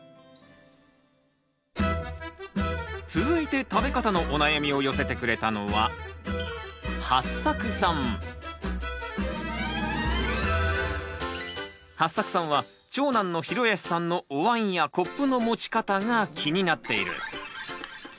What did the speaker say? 続いて食べ方のお悩みを寄せてくれたのははっさくさんは長男のひろやすさんのおわんやコップの持ち方が気になっている。